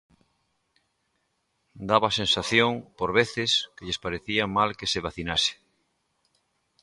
Daba a sensación, por veces, que lles parecía mal que se vacinase.